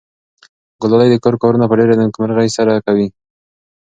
ګلالۍ د کور کارونه په ډېرې نېکمرغۍ سره کوي.